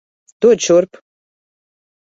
Dod šurp!